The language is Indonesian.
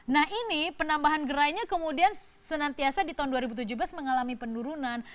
nah ini penambahan gerainya kemudian senantiasa di tahun dua ribu tujuh belas mengalami penurunan